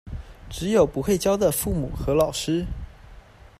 只有不會教的父母和老師